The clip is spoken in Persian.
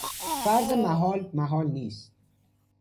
فرض محال محال نیست.